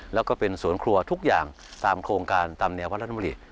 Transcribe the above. แล้วก็เป็นสวนครัวทุกอย่างตามโครงการตามแนววัฒนบุรี